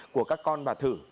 của các con bà thử